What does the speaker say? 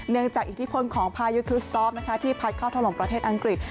เนื่องจากอิทธิพลของพายุคลิสตอล์ฟนะคะที่พัดเข้าทะลมประเทศอังกฤษ